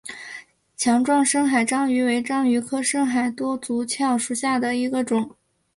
强壮深海章鱼为章鱼科深海多足蛸属下的一个种。